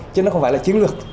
chứ nó không phải là chiến lược